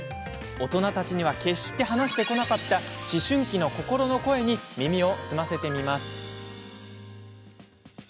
大人たちには決して話してこなかった思春期の心の声に耳を澄ませてみます。